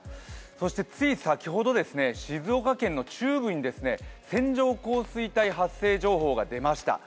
そしてつい先ほど、静岡県の中部に線状降水帯発生情報が出ました。